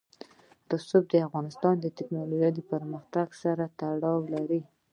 رسوب د افغانستان د تکنالوژۍ پرمختګ سره تړاو لري.